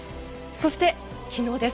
そして、昨日です。